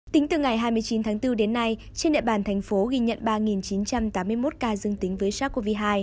tính từ ngày hai mươi chín tháng bốn đến nay trên địa bàn thành phố ghi nhận ba chín trăm tám mươi một ca dương tính với sars cov hai